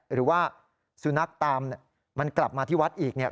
หรือว่าสุนัขตามมันกลับมาที่วัดอีกเนี่ย